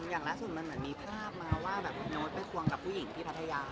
อย่างล่าสุดมันเหมือนมีภาพมาว่าแบบโน้ตไปควงกับผู้หญิงที่พัทยา